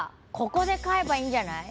ここで飼えばいいんじゃない？